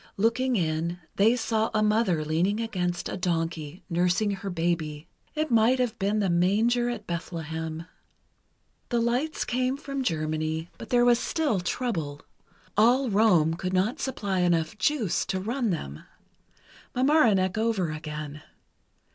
Looking in, they saw a mother leaning against a donkey, nursing her baby. It might have been the Manger at Bethlehem. The lights came from Germany, but there was still trouble. All Rome could not supply enough "juice" to run them. Mamaroneck over again.